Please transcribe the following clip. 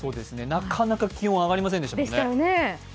なかなか気温が上がりませんでしたよね。